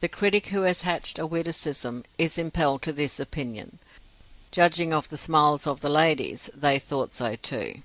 The critic who has hatched a witticism is impelled to this opinion. Judging by the smiles of the ladies, they thought so, too.